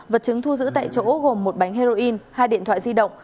vật chứng thu giữ tại chỗ gồm một bánh heroin hai điện thoại di động